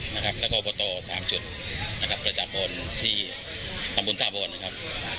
และก็โอปโต๓๔จุดนะครับประจากคนที่ตำบุญต้าบนครับ